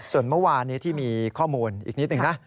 ส่วนเมื่อวานนี้ที่มีข้อมูลอีกนิดหนึ่งนะ